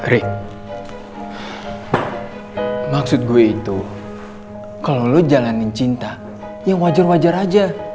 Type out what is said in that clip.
rik maksud gue itu kalo lo jalanin cinta yang wajar wajar aja